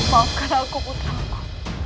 maafkan aku putraku